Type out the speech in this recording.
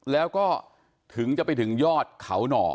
แล้วก็ถึงจะไปถึงยอดเขาหน่อ